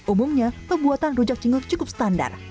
umumnya pembuatan rujak cingur cukup standar